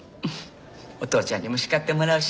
お父ちゃんにも叱ってもらうし。